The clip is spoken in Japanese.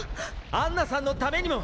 アンナさんのためにも！